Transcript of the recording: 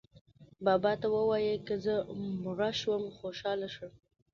بابا ته ووایئ که زه مړه شوم خوشاله شه.